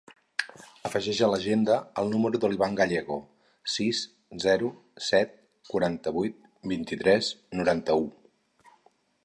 Afegeix a l'agenda el número de l'Ivan Gallego: sis, zero, set, quaranta-vuit, vint-i-tres, noranta-u.